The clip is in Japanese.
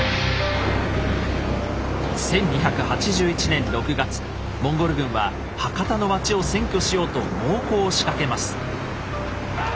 １２８１年６月モンゴル軍は博多の町を占拠しようと猛攻を仕掛けます。